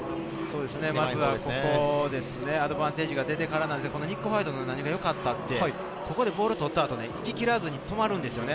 まずはここですね、アドバンテージが出てからニック・ホワイトの何がよかったって、ここでボールを取った後、行き切らずに止まるんですよね。